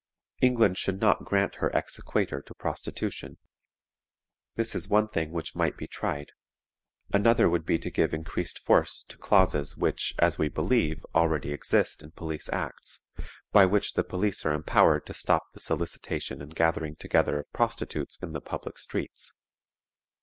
England should not grant her exequatur to prostitution. This is one thing which might be tried; another would be to give increased force to clauses which, as we believe, already exist in police acts, by which the police are empowered to stop the solicitation and gathering together of prostitutes in the public streets.